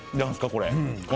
これ。